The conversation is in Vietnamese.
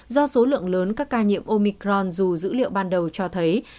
do số lượng lớn các ca nhiễm omicron dù dữ liệu ban đầu cho thấy